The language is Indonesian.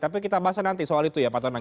tapi kita bahas nanti soal itu ya pak tonang